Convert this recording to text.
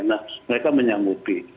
nah mereka menyanggupi